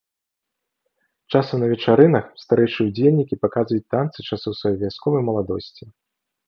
Часам на вечарынах старэйшыя ўдзельнікі паказваюць танцы часоў сваёй вясковай маладосці.